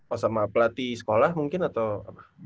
oh sama pelatih sekolah mungkin atau apa